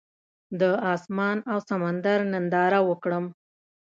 د اسمان او سمندر ننداره وکړم.